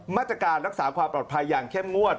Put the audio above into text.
มาตรการรักษาความปลอดภัยอย่างเข้มงวด